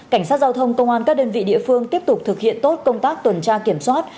cảnh sát giao thông công an các đơn vị địa phương tiếp tục thực hiện tốt công tác tuần tra kiểm soát